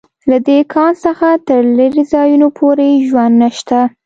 له دې کان څخه تر لېرې ځایونو پورې ژوند نشته